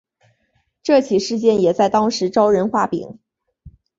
这起事件也在当时招人话柄。